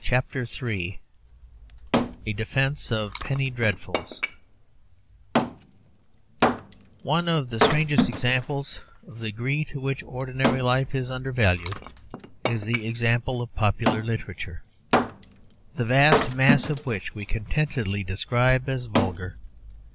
A DEFENCE OF PENNY DREADFULS One of the strangest examples of the degree to which ordinary life is undervalued is the example of popular literature, the vast mass of which we contentedly describe as vulgar.